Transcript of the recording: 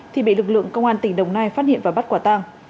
thì bị lực lượng công an tỉnh đồng nai phát hiện và bắt quả tang